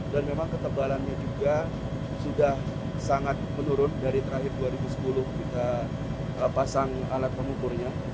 dan memang ketebalannya juga sudah sangat menurun dari terakhir dua ribu sepuluh kita pasang alat pengukurnya